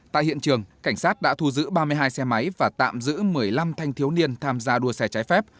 tại hiện trường cảnh sát đã thu giữ ba mươi hai xe máy và tạm giữ một mươi năm thanh thiếu niên tham gia đua xe trái phép